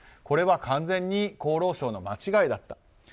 これは完全に厚労省の間違いだった。